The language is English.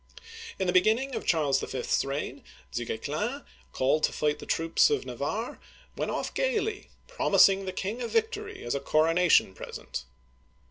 In the beginning of Charles V.*s reign, Du Guesclin, called to fight the troops of Navarre, went off gayly, promis ing the king a victory as a coronation present.